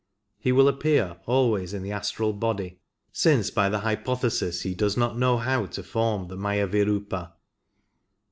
He will appear always in the astral body, since by the hypothesis he does not know how to form the Miyavir^pa.